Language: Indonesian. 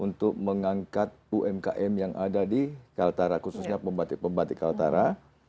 untuk mengangkat umkm yang ada di kaltara khususnya pembatik pembatik kaltara